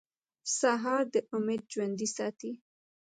سهار د امید ژوندی ساتي.